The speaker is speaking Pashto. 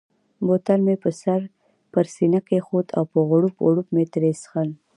بوتل مې پر سینه کښېښود او په غوړپ غوړپ مې ترې څښل.